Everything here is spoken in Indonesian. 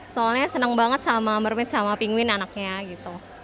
soalnya senang banget sama mermaid sama penguin anaknya gitu